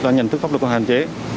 nhận thức pháp luật còn hạn chế